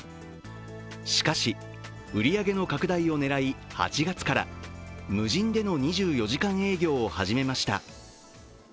しかし、売り上げの拡大を狙い、８月から無人での２４時間営業を始めました。